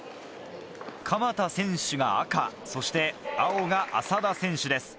鎌田選手が赤そして青が浅田選手です。